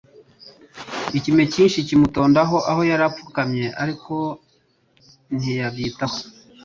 Ikime cyinshi kimutondaho aho yari apfukamye, ariko ntiyabyitaho.